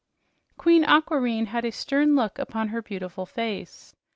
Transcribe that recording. Queen Aquareine had a stern look upon her beautiful face.